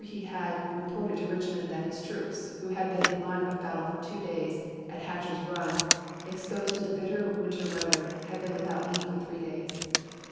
he had reported to Richmond that his troops, who had been in line of battle for two days at Hatcher's Run, exposed to the bitter winter weather, had been without meat for three days.